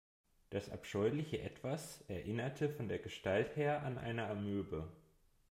Das abscheuliche Etwas erinnerte von der Gestalt her an eine Amöbe.